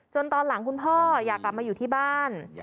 ตอนหลังคุณพ่ออยากกลับมาอยู่ที่บ้าน